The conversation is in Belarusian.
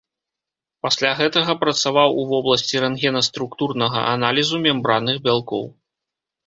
Пасля гэтага працаваў у вобласці рэнтгенаструктурнага аналізу мембранных бялкоў.